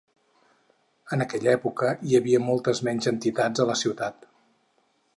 En aquella època hi havia moltes menys entitats a la ciutat.